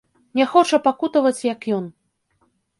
Не хоча пакутаваць, як ён.